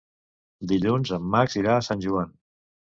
Dilluns en Max irà a Sant Joan.